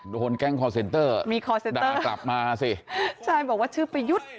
โดยโทษแก๊งคอร์สเซ็นเตอร์ด่ากลับมาสิบอกว่าชื่อประยุทธ์